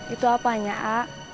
itu apanya a